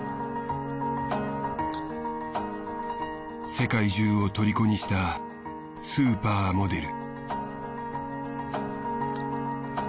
世界中をとりこにしたスーパーモデル。